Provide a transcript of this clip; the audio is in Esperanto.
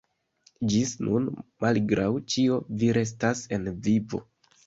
Ĝis nun, malgraŭ ĉio, vi restas en vivo.